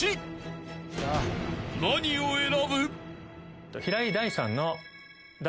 ［何を選ぶ？］